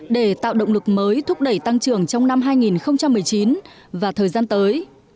để tạo động lực mới thúc đẩy tăng trưởng trong năm hai nghìn một mươi chín và thời gian tới